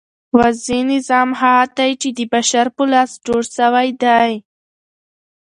وضعي نظام هغه دئ، چي د بشر په لاس جوړ سوی دئ.